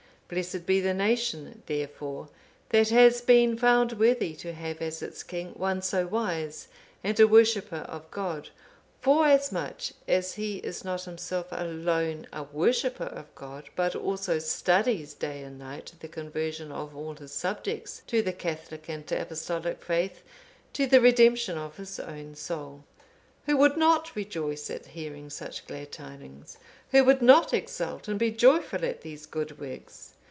Blessed be the nation, therefore, that has been found worthy to have as its king one so wise and a worshipper of God; forasmuch as he is not himself alone a worshipper of God, but also studies day and night the conversion of all his subjects to the Catholic and Apostolic faith, to the redemption of his own soul. Who would not rejoice at hearing such glad tidings? Who would not exult and be joyful at these good works?